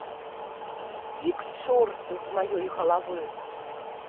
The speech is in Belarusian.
Ідзі к чорту з маёй галавы.